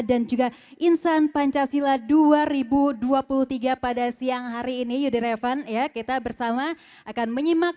dan juga insan pancasila dua ribu dua puluh tiga pada siang hari ini yudhira evan ya kita bersama akan menyimak